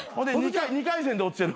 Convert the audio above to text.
２回戦で落ちてる。